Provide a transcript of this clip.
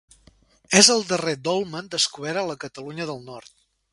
És el darrer dolmen descobert a la Catalunya del Nord.